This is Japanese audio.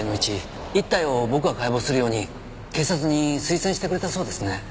１体を僕が解剖するように警察に推薦してくれたそうですね。